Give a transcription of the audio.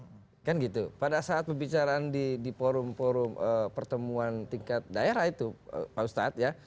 misalnya misalnya kalau ada kesempatan yang berbicaraan di forum forum pertemuan tingkat daerah itu pak ustadz ya